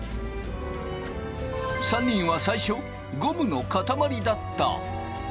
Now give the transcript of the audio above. ３人は最初ゴムの塊だった。